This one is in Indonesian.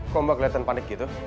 kok mbak kelihatan panik gitu